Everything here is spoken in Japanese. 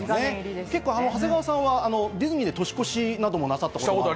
長谷川さんはディズニーで年越しなどもなさったり。